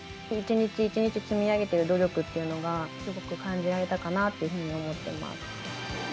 一日一日積み上げてる努力っていうのが、すごく感じられたかなっていうふうに思ってます。